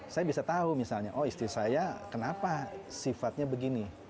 saya bisa tahu misalnya oh istri saya kenapa sifatnya begini